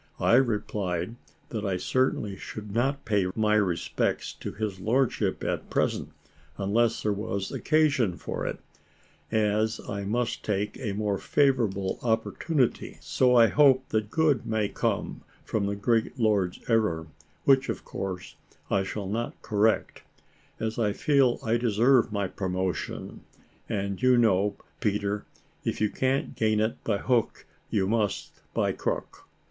I replied, that I certainly should not pay my respects to his lordship at present, unless there was occasion for it, as I must take a more favourable opportunity. So I hope that good may come from the great lord's error, which of course I shall not correct, as I feel I deserve my promotion and you know, Peter, if you can't gain it by hook, you must by crook."